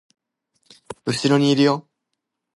後ろにいるよ